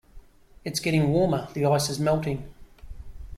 It's getting warmer; the ice is melting.